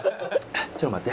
ちょっと待って。